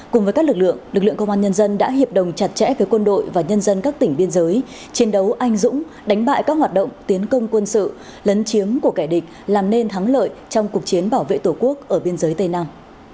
cùng với các lực lượng lực lượng công an nhân dân đã hiệp đồng chặt chẽ với quân đội và nhân dân các tỉnh biên giới chiến đấu anh dũng đánh bại các hoạt động tiến công quân sự lấn chiếm của kẻ địch làm nên thắng lợi trong cuộc chiến bảo vệ tổ quốc ở biên giới tây nam